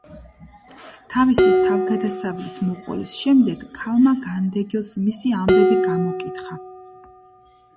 თავისი თავგადასავლის მოყოლის შემდეგ ქალმა განდეგილს მისი ამბები გამოკითხა.